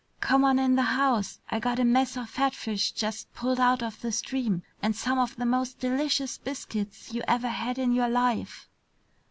Come on in the house. I got a mess of fatfish just pulled out of the stream and some of the most delicious biscuits you ever had in your life!"